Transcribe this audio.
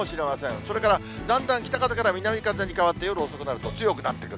それから、だんだん北風から南風に変わって、夜遅くなると強くなってくる。